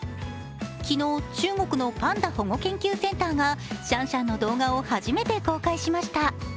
昨日、中国のパンダ保護研究センターがシャンシャンの動画を初めて公開しました。